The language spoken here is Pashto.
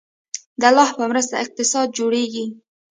د الله په مرسته اقتصاد جوړیږي